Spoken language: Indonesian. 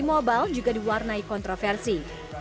mobile juga diwarnai kontroversi